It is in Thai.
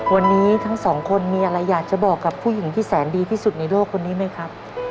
วันนี้ทั้งสองคนมีอะไรอยากจะบอกกับผู้หญิงที่แสนดีที่สุดในโลกคนนี้ไหมครับ